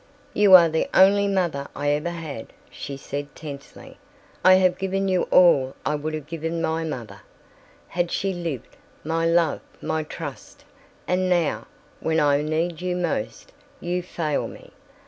"You are the only mother I ever had," she said tensely. "I have given you all I would have given my mother, had she lived—my love, my trust. And now, when I need you most, you fail me.